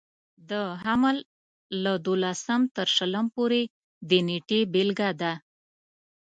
د حمل له دولسم تر شلم پورې د نېټې بېلګه ده.